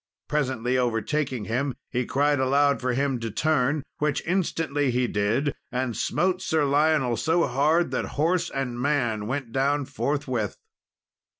Presently overtaking him, he cried aloud to him to turn, which instantly he did, and smote Sir Lionel so hard that horse and man went down forthwith.